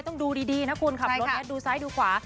ต้องดูดีนะคุณขับรถดูซ้ายดูขวา